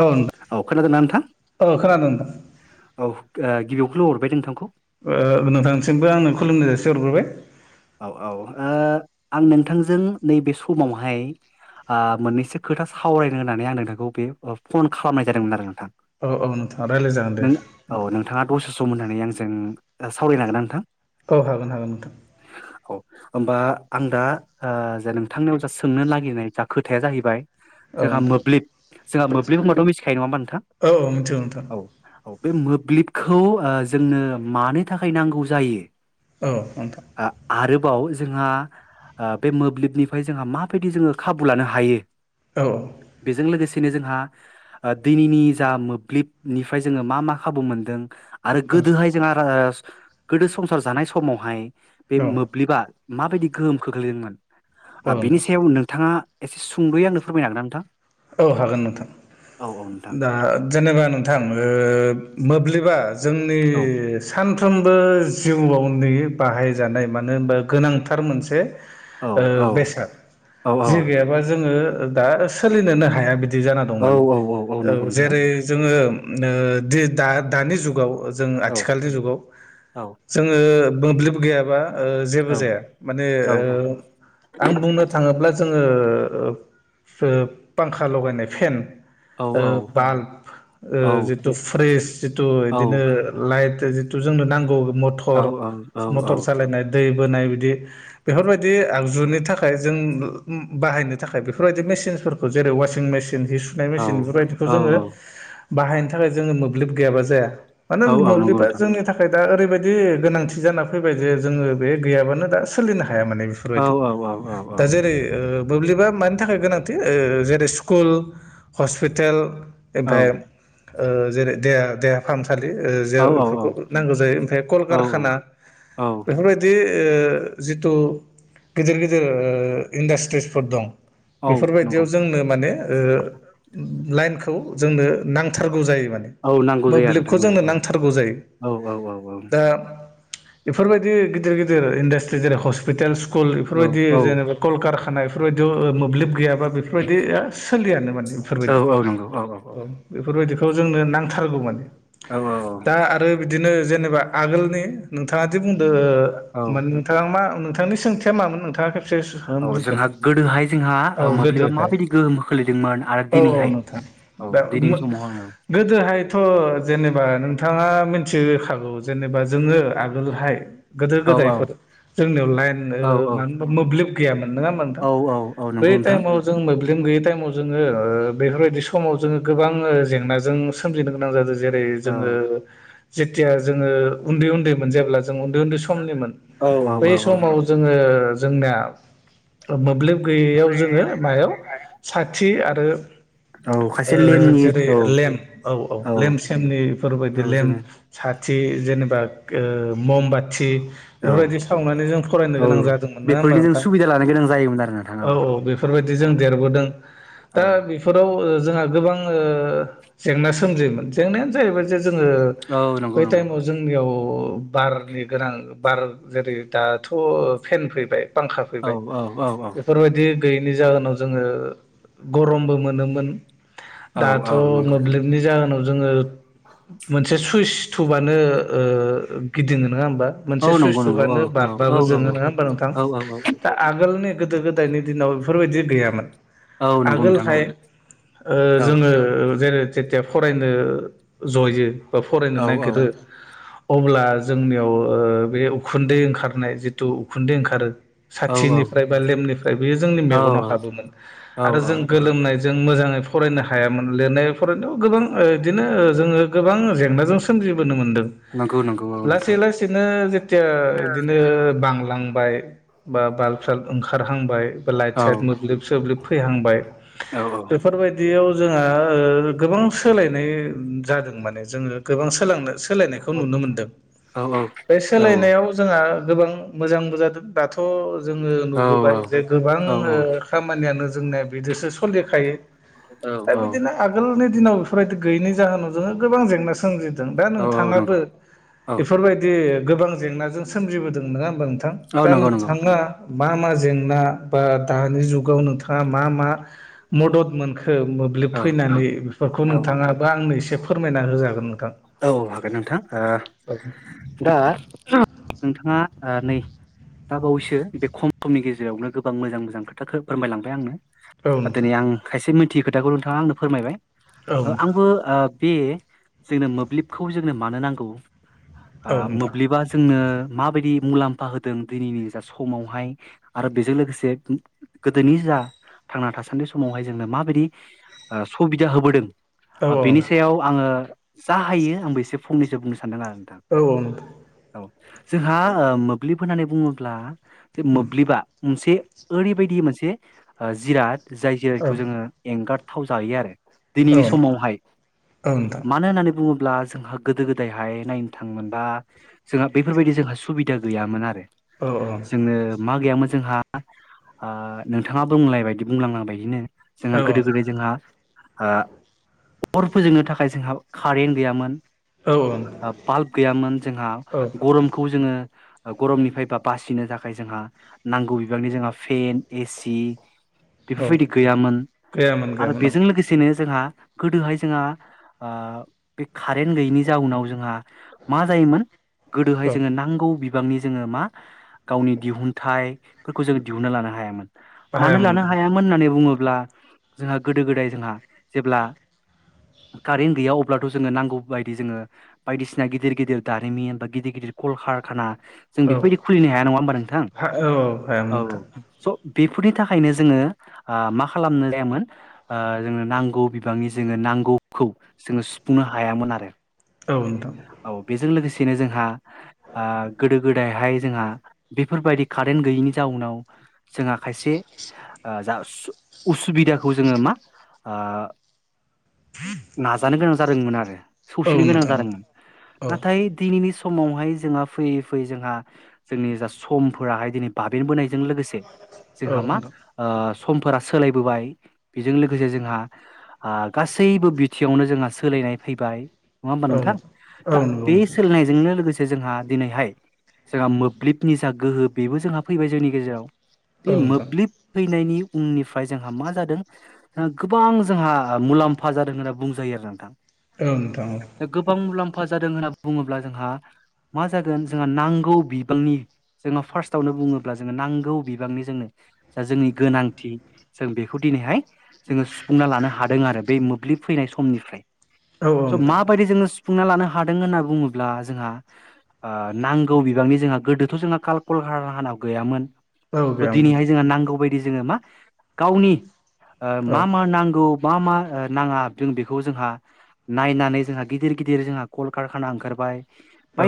औ नोंथां औ खोनादों ना नोंथां? औ खोनादों नोंथां औ ओ गिबियावनो हरबाय नोंथांखौ। ओ नोंथांसिमबो आंनो खुलुमनाय जासे हरग्रोबाय। औ औ ओ आं नोंथांजों नैबे समावहाय ओ मोननैसो खोथा सावरायनो होननानै आं नोंथांखौ बे ओ फन खालामनाय जादोंमोन आरो। आ औ औ नोंथाङा रायज्लाय जागोन दे नों औ नोंथाङा द होननानै आं जों ओ सावरायनो हागोना नोंथां? औ हागोन हागोन नोंथां। औ होमबा आं दा ओ जे नोंथांनियाव जा सोंनो नागिरनाय जा खोथाया जाहैबाय। औ जोंहा नोंथां मोब्लिब जोंहा मोब्लिब होनबाथ' मिथिखायो नङा होन औ औ मिथिगौ नोंथां। बे मोब्लिबखौ ओ जोंनो मानो थाखाय नांगौ जायो? औ नोंथां। आ आरोबाव जोंहा ओ बे मोब्लिबनिफ्राय जोंहा माबायदि जोङो खाबु लानो हायो। औ बेजों लोगोसे। खिनो जोंहा ओ दैनिनि जा मोब्लिबनिफ्राय जोङो मा मा खाबु मोनदों। आरो गोदोहाय जोंहा ओ गोदो संसार जानाय समावहाय बे मोब्लिबा माबायदि गोहोम खोख्लैदोंमोन। ओ बिनि नोंथां सायाव नोंथाङा एसे सुंद'यै आंनो फोरमायनोागोन ना नोंथां? औ हागोन नोंथां। औ औ नोंथां दा जेनेबा नोंथां ओ मोब्लिबा जोंनि औ सान साफ्रोमबो जिउआवनि बाहायजानाय मानो होनबा गोनांथार मोनसे औ ओ औ बेसाद औ जे गैयाबा जोङो दा सोलिनोनो हाया बिद दि जाना दं औ माने औ औ नंगौ नोंथां जेरै जोङो ओ दा दा दानि जुगाव जों औ आथिखालनि जुगाव औ जोङो मोब्लिब गैयाबा ओ जेबो औ जाया। माने औ ओ आं बुंनो थाङोब्ला जोङो ओ फांखा लगायनाय फेन औ ओ बाल्ब ओ औ जिथु फ्रेस जिथु इदिनो लाइट जो जिथु जोंनो नांगौ। औ मथर औ औ मथर सालायनाय दै बोनाय बिदि बेफोरबायदि आगजुनि थाखाय जों बाहायनो थाखाय बेफोर बादि मि सिनफोरखौ जेरै अवासिं मेचिन जि सुनाय औ मेसिन बेफोरबायदिखौ औ जोङो। बाहायनो थाखाय जोङो मोब्लिब गैयाबा जाया। मानो औ औ नंगौ मोब्लिबा नोंथां जोंनि थाखाय दा ओरैबायदि गोनांथि जाना फैबाय जे जोङो बे गैयाबानो दा सोलिनो हाया। हाया माने औ बेफोरबायदि। औ औ औ औ दा जेरै ओ मोब्लिबा मानि थाखाय गोनां थि ओ जेरै स्कुल हस्पिटाल औ ओमफाय ओ जेरै देहा देहा फाहामसा खालि ओ औ जेराव बेफोरखौ नांगौ जायो ओमफ्राय औ कलकारखाना औ बेफोरबायदि ओ जिथु गिदिर गिदिर ओ इन्डास्ट्रिसफोर दं। औ बेफोरबायदियाव नंगौ जोंनो माने ओ लाइनखौ जोंनो नांथारगौ जायो। मानो औ नांगौ जायो आरो मोब्लिबखौ जोंनो नोंथां नांथारगौ जायो। औ औ औ दा बेफोरबायदि गिदिर गिदिर इन्डास्ट्रि जेरै हस्पिटेल्स स्कुल एफोरबायदि औ जेनेबा कलकारखाना एफोरबायदियाव मोब्लिब एबा बेफोरबादिआ सोलिआनो माने बेफोरबादि औ बेफोरबादि बेफोरबायदिखौ जोंनो नांथारगौ माने औ दा औ आरो औ बिदिनो जेनेबा आगोलनि नोंथाङा दि बुंदो औ मोन नोंथाङा मा नोंथांनि सोंथिया मामोन नोंथाङा खेबस स औ जोंहा बुंफेदो गोदोहाय जोंहा औ ओ मोब्लिबा गोदोहाय माबायदि गोहोम खोलैदोंमोन आरो औ औ दिनैहाय नोंथां औ दा दिनैनि समाव आङो गोदोहाय हायथ' जेनेबा नोंथाङा मिथिग्रोखागौ जेनेबा जोङो आगोलहाय गोदो औ औ गोदायफोर जोंनियाव लाइन औ मानो होनबा मोब्लिब गैयामोन नङा होमबा नोंथां औ औ औ बै नंगौ नोंथां टाइमाव जों मोब्लि दों गैयै टाइमाव जोङो बेफोरबायदि समाव जोङो गोबां जेंनाजों सोमजिनो गोनां जादों जेरै औ जोङो जेथिया जोङो उन्दै उन्दैमोन जेब्ला ज जों उन्दै उन्दै समनिमोन औ औ बै औ औ समाव जोङो जोंनिया मोब्लिब गयैयाव जोङो मायाव साथि आरो औ ओ खायसे लेमनि जेरै औ लेम्प औ औ लेम्प सेमनि बेफोरबायदि औ लेम्प जोङो सार थि जेनेबा ओ ममबाथि औ बेफोरबायदि सावनानै जों फरायनो औ गोनां जादोंमोन ना होमबा बेफोरनि जों नोंथा सुबिदा लानो गोनां जायोमोन आरो नोंथां औ औ बेफोरबायदि जों देरबोदों औ दा बेफोराव जोंहा गोबां ओ जेंना सोमजियोमोन जेंनायानो जाहैबाय जोङो औ नंगौ बै नंगौ टाइमाव जोंनियाव अ बारनि गोनां बार जेरै दाथ' फेन फैबाय फांखा औ फैबाय औ औ औ बेफोरबायदि गैयैनि जाहोनाव जोङो गरमबो मोनोमोन दाथ' औ औ नंगौ मोब्लिबनि जाहोनाव जोङो मोनसे सुइस टुबानो ओ गिदिङो नोङा ओमबा औ मोनसे सुइ नंगौ नंगौ औ थुबानो औ औ बाल्बाबो औ जोङो नोंङा होनबा नोंथां औ औ दा आगोलनि गोदो गोदायनि दिनाव बेफोरबायदि गैयामोन औ नंगौ नोंथां औ आगोलहाय ओ औ जोङो जेरै जेथिया फरायनो जयो बा फरायनो औ औ नागिरो अब्ला जोंनियाव ओ बे उखुन्दै ओंखारनाय जिथु उखुन्दै ओंखारो औ औ साथिनिफ्राय बा लेमनिफ्राय बेयो जोंनि मेगनाव औ हाबोमोन औ आरो औ जों औ गोलोमनाय जों मोजाङै फरायनो हायामोन लिरनाय फरायनायाव गोबां बिदिनो जोङो गोबां जेंनाजों सोमजि मोनदों नंगौ नंगौ औ लासै नोंथां लासैनो जेथिआ इदिनो बां लांबाय बा बाल्ब साल्ब ओंखारहांबाय बा लाइट औ साइट मोब्लिब सोब्लिब फैहांबाय औ बेफोरबायदियाव जोंहा ओ गोबां सोलाय ओ जादों माने जोङो गोबां सोलोंनो सोलायनायखौ औ नुनो मोनदों औ बे औ सोलायनायाव जोंहा गोबां मोजांबो जादों दाथ' जोङो औ नुबोबाय जे गोबां औ नंगौ खामानि जोंना बिदिसो सनदेरखायो दा औ बिदिनो आगोलनि दिनाव बेफोरबायदि गैनि जाहोनावो गोबां जेंना सोमजि दा औ नंगौ नोंथाङाबो औ बेफोरबायदि गोबां जेंनाजों सोमजिबोदों नङा होनबा नों थां दा नोंथाङा मा मा जें ना बा दानि जुगाव नोंथाङा मा मा मदद मोनखो मोब्लिब फैनानै बेफोरखौ औ नोंथाङाबो आंनो एसे फोरमायना होजागोन नोंथां औ हागोन नोंथां औ ओ दा [inaudible] नोंथाङा ओ नै दा बावैसो बे ख'म ख'म समनि गेजेरावनो गोबां मोजां मोजां खोथाखो फोरमायलांबाय आंनो औ नोंथां दिनै आं खायसे मिथियै खोथाखौ नोंथाङा आंनो फोरमायबाय औ नोंथां आंबो ओ बे जोंनो मोब्लिबखौ जोंनो मानो नांगौ औ आ नोंथां मोब्लिबा जोंनो माबायदि मुलाम्फा होदों दिनैनि जा समावहाय आरो बेजों लोगोसे गोदोनि जा थांना थासान्दि समावहाय जोंनो माबायदि सुबिदा ओ होबोदों औ ओ बेनि सायाव आङो जा हायो आंबो एसे फंनैसो बुंनो सै सानदों आरो नोंथां औ नोंथां औ जोंहा ओ मोब्लिब होननानै बुङोब्ला जे उम मोब्लिबा मोनसे ओरै बायदि मोनसे जिराद जाय औ जेरैयट जोङो एंगारथाव जायो आरो। औ दिनैनि समावहाय नोंथां मानो होननानै बुङोब्ला जोंहा गोदो गोदायहाय नायनो थाङोमोनबा जोंहा बेफोरबायदि जोंहा सुबिदा गैयामोन आरो। औ औ। जोंनो मा गैयामोन जोंहा, आ नोंथाङा बुंलाय बायदि बुंलांनांबायदिनो जोंहा औ गोदो गोदाय जोंहा ओ अर फोजोंनो थाखाय जोंहा कारेन्ट गैयामोन औ बाल्ब गैयामोन जोंहा औ गरमखौ जोङो गरमनिफ्राय बा बासिनो थाखाय जोंहा नांगौ बिबांनि जोंहा फेन, एसि औ बेफोरबायदि गैयामोन गैयामोन आरो गैयामोन औ बेजों लोगोसेनो जोंहा गोदोहाय जोंहा आ बे कारेन्ट गैयिनि जाउनाव जोंहा मा जायोमोन गोदोहाय औ जोङो नांगौ बि बांनि जोङो मा गावनि दिहुनथाइफोरखौ जोङो दिहुनना लानो हायामोन। मानो लानो हायामोन होननानै बुङो ब्ला जोंहा गोदो गोदाय जोंहा खारेन गैया अब ब्लाथ' जोङो नांगौ बायदि जोङो बायदिसिना गिदिर गिदिर दारिमिन बा गिदिर गिदिर कल कारखाना जों औ बेफोरबायदि खुलिनो हाया नङा होमबा नोंथां? हा औ औ औ हायामोन स बेफोरनि थाखायनो जोङो ओ मा खालामनो जायामोन ओ जोंनो नांगौ बिबांनि जोङो नांग नांगौखौ जोङो सुफुंनो हायामोन आरो, नोंथां औ बेजों लोगोसे बिदिनो जोंहा ओ गोदो गोदायहाय जोंहा बेफोरबायदि कारेन्ट गैयैनि जाउनाव जोंहा खायसे ओ जासु उसुबिदाखौ जोङो मा ओ नाजानो गोनां जादोंमोन आरो औ ससिनो गोनां नोंथां औ नोंथां जादोंमोन औ औ नोंथां औ नाथाय दिनैनि स समावहाय जोंहा फैयै फैयै जोंहा जोंनि जा समफोराहाय दिनै बाबेन बोनाय जों लोगोसे जोंहा मा नोंथां ओ समफोरा सोलायबोबाय बेजों लोगोसे जोंहा ओ गासैबो बिथिङावनो जोंहा सोलायनाय फैबाय नङा होमबा नोंथां? औ दा नंगौ बे सोलायनायजोंनो लोगोसे जे जोंहा दिनैहाय जोंहा मोब्लिबनि जा गोहो बेबो जोंहा फैबाय जोंनि गेजेराव। बे नोंथां औ मोब्लिब फैनायनि उननिफ फ्राय जोंहा मा जादों गोबां जोंहा मुलाम्फा जादों होनना बुंजायो आरो नोंथां। औ नोथां औ। फा जादों होनना बुङोब्ला जोंहा मा जागोन जोंहा नांगौ बिबांनि जोंहा फार्स्टआवनो बुङोब्ला जोंङो नांगौ बिबांनि जोंनो जा जोंनि गोनांथि जों बेखौ दिनैहाय जोङो सुफुंना लानो हादों आरो बे मोब बोब्लिब फैनाय समनिफ्राय औ नोंथां औ औ स' नोंथां माबायदि जोङो सुफुंना लानो हादों होनना बुङोब्ला जोंहा ओ नांगौ बिबांनि जोंहा गोदोथ' जोंहा काल कला भारतहानाव गैयामोन। औ गैयामोन दिनैहाय नोंथां जोंहा नांगौ बायदि जोङो मा गावनि ओ औ मा मा नांगौ? मा मा ओ नाङा जों बेखौ जोंहा नायनानै जोंहा गिदिर गिदिर जोंहा कल कारखाना ओंखारबाय।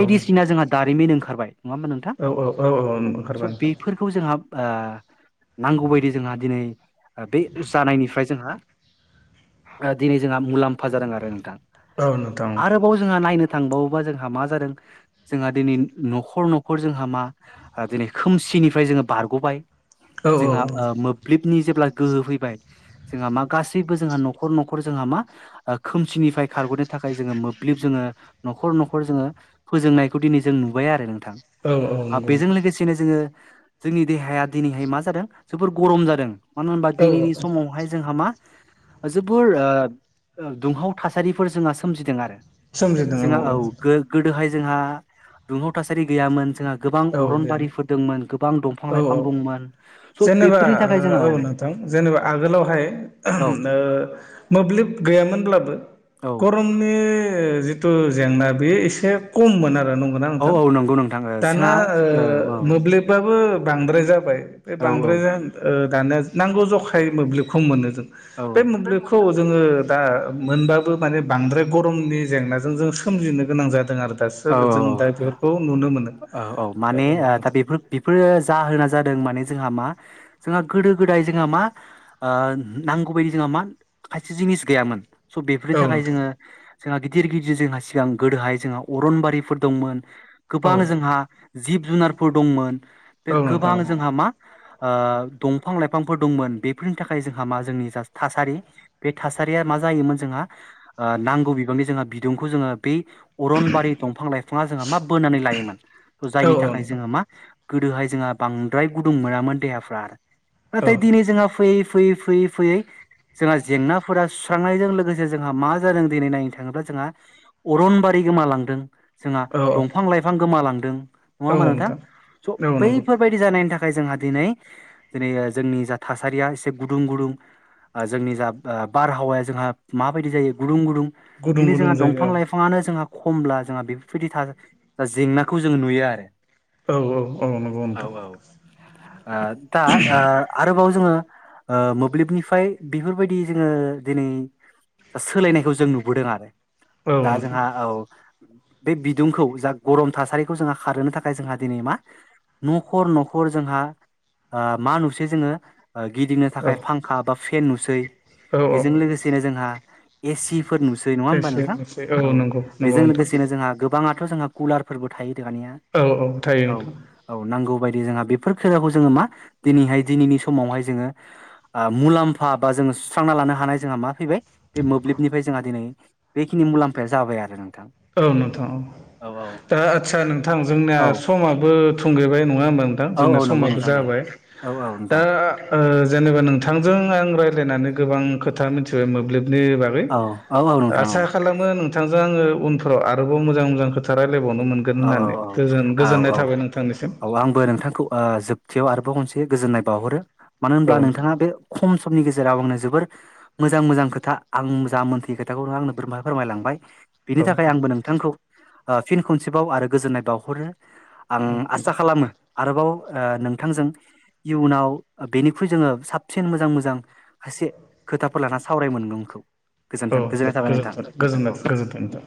औ जोंहा दारिमिन ओंखारबाय। नङा होमबा नोंथां? औ औ ओंखारबाय स' नोंथां बेफोरखौ जोंहा ओ नांगौ बायदि जोंहा दिनै बे जानायनिफ्राय जोंहा दिनै जोंहा मुलाम्फा जादों आरो नोंथां औ नोंथां आरोबाव जोंहा नायनो थांबावोबा जोंहा मा जादों जोंहा दिनै न'खर न'खर जोंहा मा दिनै खोमसि निफ्राय जोङो बारग'बाय औ औ जोंहा ओ मोब्लिब नि जेब्ला गोहो फैबाय जोंहा मा गासैबो जोंहा न'खर न'खर जोंहा मा खोमसिनिफ्राय खारग'नो थाखाय जोङो मोब्लिब जोङो न'खर न'खर जोङो फोजोंनायखौ दिनै जों नुबाय आरो नोंथां औ औ ओ नंगौ बेजों नोंथां लोगोसेनो जोङो जोंनि देहाया दिनैहाय मा जादों जोबोर गरम जादों। मानो होनबा औ दिनैनि औ समावहाय जोंहा मा जोबोर ओ ओ दुंहाव थासारिफोर जोंहा सोमजिदों आरो जोंहा औ गो-गोदोहाय जोंहा दुंहाव थासारि गैयामोन जोंहा गोबां औ जेन अरनबारिफोर दंमोन गोबां औ दंफां-लाइफां औ दंमोन स' जेनेबा बेफोरनि थाखाय ओ जोंनाव औ नोंथां जेनेबा आगोलावहाय औ ओ मोब्लिब गैयामोनब्लाबो औ गरमनि जिथु जेंना बेयो एसे खममोन आ औ औ नंगौ नोंथाङो ओ ना जोंहा औ औ ओ मोब्लिबा बो बांद्राय जाबाय बे औ बांद्राय ओ दानिया नांगौ जखाय मोब्लिबखौ मोनो जों बे औ मोब्लिबखौ जोङो दा मोनबाबो माने बांद्राय गरमनि जेंनाजों जों सोमजिनो गोनां जादों आरो दा सोर औ जों औ दा बेफोरखौ नुनो मोनो औ औ माने दा बेफोर बेफोर जाहोना जादों माने जों हा मा जोंहा गोादो-गोदाय जोंहा मा नांगौबायदि जोंहा मा खायसे जोंनि जिनिस गैयामोन स' बेफोरनि औ थाखाय नोंथां जोङो जोंहा गिदिर गिदिर जोंहा सिगां गोदोहाय जोंहा अरनबारिफोर दंमोन। गोबां औ जोंहा जिब जुनारफोर दंमोन औ बे नोंथां गोबां जोंहा मा ओ दंफां-लाइफांफोर दंमोन बेफोरनि थाखाय जोंहा मा जोंनि जा थासारि बे थासारिया मा जायोमोन जोंहा ओ नांगौ बिबांनि जोंहा बिदुंखौ जोङो बे अ रन बारि दंफां-लाइफाङा जों मा बोनानै लायोमोन थ' औ जायनि औ थाखाय नोंथां जोङो मा गोदोहाय जोंहा बांद्राय गुदुं मोनामोन देहाफ्रा औ नाथाय दिनै जोंहा फैयै फैयै फैयै फैयै जोंहा जेंनाफोरा सुस्रांनायजों लोगोसे जोंहा मा जादों दिनै नायनो थाङोब्ला जोंहा अरनबारि गोमालांदों जोंहा औ दंफां-लाइफां गोमालांदों नङा होमा नोंथां? स' औ नंगौ बैफोरबायाददि जानाय थाखाय जोंहा दिनै दिनै जोंनि जा थासारिया एसे गुदुं गुदुं जोंनि जा ओ बारहावाया जोंहा माबायदि जायो गुदुं गुदुं गुदुं दिनै गुदुं जोंहा दंफां जायो लाइफाङानो जोंहा खमब्ला जोंहा बेफोरबायदि जेंनाखौ जों नुयो आरो औ औ औ नंगौ नोंथां ओ दा ओ आरो बाव जोङो ओ मोब्लिबनिफ्राय बेफोरबायदि जोङो दिनै दा सोलायनायखौ जों नुबोदों आरो औ दा नोंथां जोंहा औ बे बिदुंखौ जा गरम थासारिखौ जोंहा खारहोनो थाखाय जोंहा दिनै मा न'खर न'खर ओ जोंहा मा नुसै जोङो ओ गिदिंनो औ थाखाय फांखा बा फेन नुसै औ औ बेजों लोगोसेनो जोंहा एसि फोर नुसै नङा हबा एसे नोंथां एसे औ नंगौ नंगौ बेजों नोंथां लोगोसेनो जोंहा गोबाङाथ' जोंहा कुलारफोरबो थायो। दानिया औ थायो औ नोंथां औ नांगौ बाय दि जोंहा बेफोर खायदाखौ जोङो मा दिनैहाय दिनैनि समावहाय जोङो ओ मुलाम्फा बा जो सुस्रांना लानो हानाय जोंहा मा फैबाय बे मोब्लिबनिफ्राय जोंहा दिनै बेखिनि मुलाम्फाया जाबाय आरो नों औ नोंथां औ दा आदसा नोंथां जोंनिना औ समाबो थुंगेबाय न ङा होनबा नोंथां औ जोंना औ नंगौ समाबो नोंथां औ जाबाय औ औ दा नोंथां ओ जेनेबा नोंथांजों आं रायज्लायनानै गोबां खोथा मिथिबाय मोब्लिब नि बागै औ औ औ नोंथां औ आसा खालामो नोंथांजों आङो उनफोराव आरोबाव मोजां मोजां खोथा रायलाय औ औ औ औ औ थाबाय नोंथांनिसिम औ आंबो नोंथांखौ ओ जोबथियाव आरो बाव खनसे गोजोननाय बावहरो मानो औ होनब्ला नोंथां नोंथाङा बे खम समनि गेजे जेराव आंनो जोबोर मोजां मोजां खोथा आं जा मोनथियै खोथाखौ आंनो फोरमा फोरमायलांबाय बिनि औ थाखाय नोंथां आंबो नोंथांखौ ओ फिन खनसेबाव आरो गोजोननाय बावहरो आं औ आसा नोंथां खालामो आरोबाव आ नोंथांजों इयुनाव बेनिख्रुइ जोङो साबसिन मोजां मोजां एसे खोथाफोर लाना सावराय मोनगोनखौ औ गोजोनथों दे गोजोननाय थाबाय नोंथां गोजोनथों गोजोननाय औ। गोजोन्थों नोंथां